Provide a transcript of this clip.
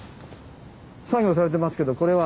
作業されてますけどこれは？